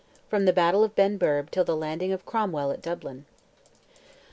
FROM THE BATTLE OF BENBURB TILL THE LANDING OF CROMWELL AT DUBLIN.